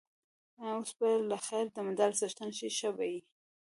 اوس به له خیره د مډال څښتن شې، ښه به وي.